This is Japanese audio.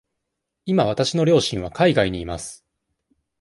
今わたしの両親は海外にいます。